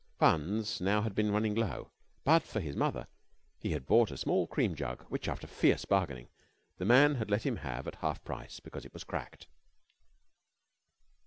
Funds now had been running low, but for his mother he had bought a small cream jug which, after fierce bargaining, the man had let him have at half price because it was cracked.